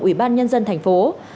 ủy ban nhân dân tp hcm